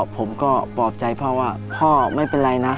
ผมก็ปลอบใจพ่อว่าพ่อไม่เป็นไรนะ